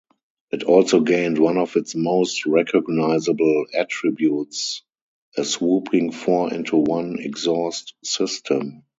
It also gained one its most recognisable attributes, a swooping four-into-one exhaust system.